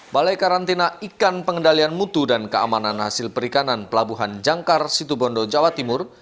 balai karantina ikan pengendalian mutu dan keamanan hasil perikanan pelabuhan jangkar situbondo jawa timur